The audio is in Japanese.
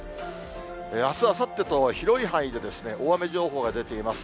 あす、あさってと、広い範囲で大雨情報が出ています。